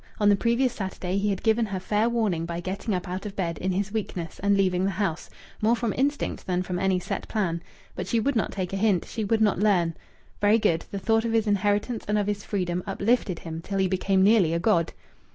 On the previous Saturday he had given her fair warning by getting up out of bed in his weakness and leaving the house more from instinct than from any set plan. But she would not take a hint. She would not learn. Very good! The thought of his inheritance and of his freedom uplifted him till he became nearly a god.